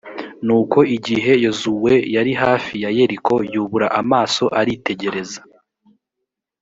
nuko igihe yozuwe yari hafi ya yeriko, yubura amaso aritegereza.